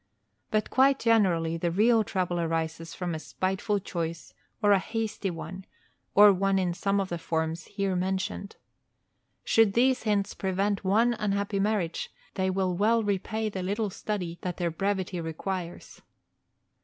But quite generally the real trouble arises from a spiteful choice or a hasty one, or one in some of the forms here mentioned. Should these hints prevent one unhappy marriage, they will well repay the little study that their brevity requires.